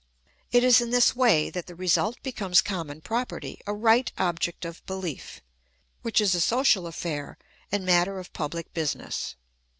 It is in this way that the result becomes common property, a right object of belief, which is a social affair and matter of pubhc business.